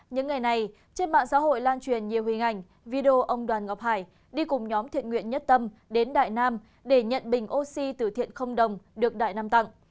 những ngày này trên mạng xã hội lan truyền nhiều hình ảnh video ông đoàn ngọc hải đi cùng nhóm thiện nguyện nhất tâm đến đại nam để nhận bình oxy từ thiện không đồng được đại nam tặng